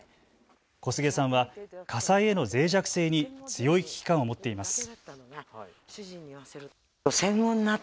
小菅さんは火災へのぜい弱性に強い危機感を持っています。